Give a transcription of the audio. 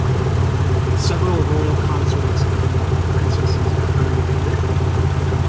Several royal consorts and princesses are buried here.